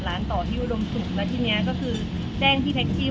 เขาก็โวยวายขึ้นมาเยอะแยะมากมายแต่ตอนนั้นยังไม่ได้อัดคลิปค่ะ